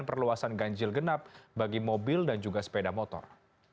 perluasan ganjil genap bagi mobil dan juga sepeda motor